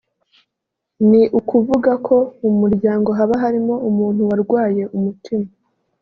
ni ukuvuga ko mu muryango haba harimo umuntu warwaye umutima